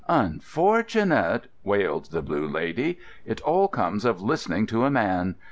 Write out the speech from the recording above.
"Unfortunate!" wailed the Blue Lady. "It all comes of listening to a man.